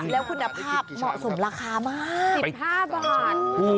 แล้วคุณภาพเหมาะสมราคามาก๑๕บาท